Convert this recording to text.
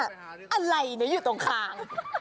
อะไรเนี่ยอยู่ตรงข้าง